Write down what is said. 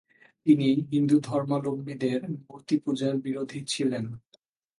তিনি হিন্দু ধর্মাবলম্বীদের মূর্তি পূজার বিরোধী ছিলেন।